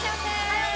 はい！